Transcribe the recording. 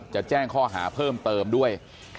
จะแจ้งข้อหาเพิ่มเติมด้วย